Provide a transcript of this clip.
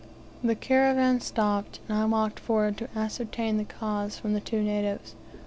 The caravan stopped, and I walked forward to ascertain the cause from the two natives.